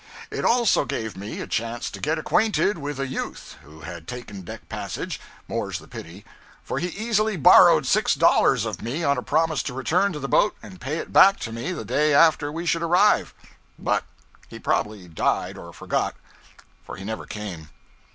It also gave me a chance to get acquainted with a youth who had taken deck passage more's the pity; for he easily borrowed six dollars of me on a promise to return to the boat and pay it back to me the day after we should arrive. But he probably died or forgot, for he never came.